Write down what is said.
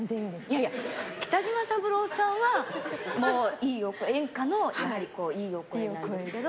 いやいや、北島三郎さんは演歌のいいお声なんですけど。